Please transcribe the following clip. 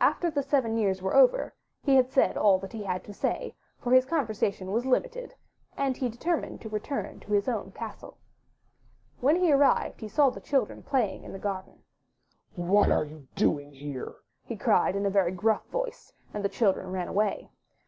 After the seven years were over he had said all that he had to say, for his con versation was limited, and he determined to return to his own castle. When he arrived he saw the children playing in the garden. ''What are you doing here?" he cried in a very gruff voice, and the children ran away.